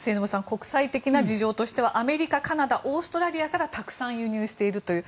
国際的な事情としてはアメリカ、カナダオーストラリアからたくさん輸入しているという。